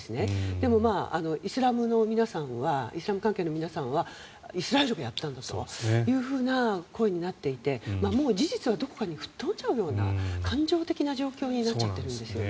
でもイスラム関係の皆さんはイスラエルがやったんだという声になっていて事実はどこかに吹っ飛んじゃうような感情的な状況になっちゃってるんですよね。